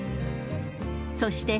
［そして］